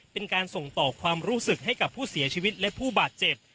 เป็นการส่งต่อความรู้สึกให้กับผู้เสียชีวิตและผู้บาดเจ็บ